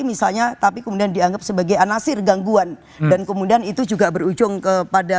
misalnya tapi kemudian dianggap sebagai anasir gangguan dan kemudian itu juga berujung kepada